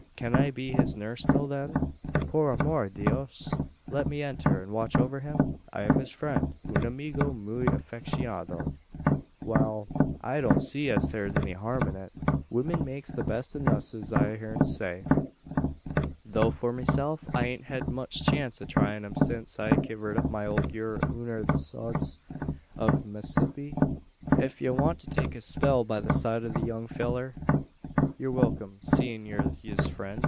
can I be his nurse till then? Por amor dios! Let me enter, and watch over him? I am his friend un amigo muy afficionado." "Wal; I don't see as thur's any harm in it. Weemen makes the best o' nusses I've heern say; tho', for meself, I hain't hed much chance o' tryin' 'em, sincst I kivered up my ole gurl unner the sods o' Massissipi. Ef ye want to take a spell by the side o' the young fellur, ye're wilkim seein' ye're his friend.